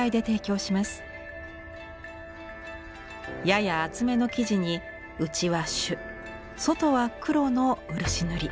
やや厚めの木地に内は朱外は黒の漆塗り。